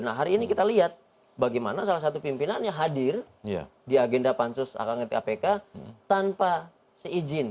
nah hari ini kita lihat bagaimana salah satu pimpinannya hadir di agenda pansus akt kpk tanpa seizin